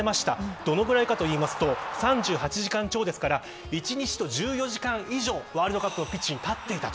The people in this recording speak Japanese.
どのくらいかというと３８時間超ですから１日と１４時間以上ワールドカップのピッチに立っていた。